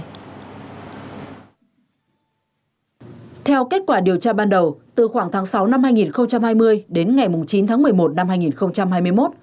theo kết quả điều tra ban đầu từ khoảng tháng sáu năm hai nghìn hai mươi đến ngày chín tháng một mươi một năm hai nghìn hai mươi một